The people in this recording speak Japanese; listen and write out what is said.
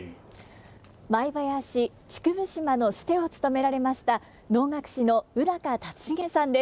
舞囃子「竹生島」のシテを務められました能楽師の宇竜成さんです。